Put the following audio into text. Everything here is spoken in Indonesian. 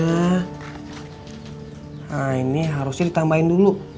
nah ini harusnya ditambahin dulu